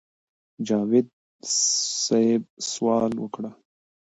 جاوېد صېب سوال وکړۀ